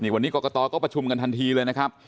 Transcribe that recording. วันนี้กรกตก็ประชุมกันทันทีเลยนะครับ